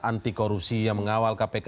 anti korupsi yang mengawal kpk